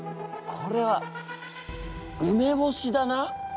これは梅干しだな？